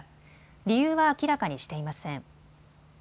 理由は明らかにしていません。